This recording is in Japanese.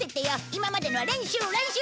今までのは練習練習！